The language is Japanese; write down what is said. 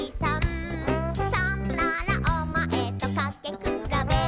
「そんならお前とかけくらべ」